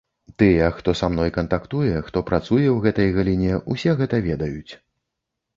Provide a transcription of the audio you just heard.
Тыя, хто са мной кантактуе, хто працуе ў гэтай галіне, усе гэта ведаюць.